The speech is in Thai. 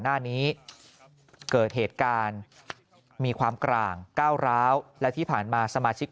หน้านี้เกิดเหตุการณ์มีความกร่างก้าวร้าวและที่ผ่านมาสมาชิก